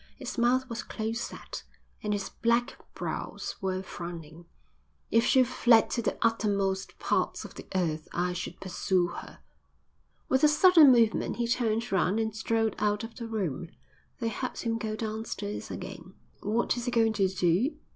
His mouth was close set, and his black brows were frowning. "If she fled to the uttermost parts of the earth I should pursue her." With a sudden movement he turned round and strode out of the room. They heard him go downstairs again. "What is he going to do?"